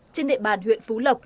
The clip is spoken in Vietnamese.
trên địa bàn huyện phú lộc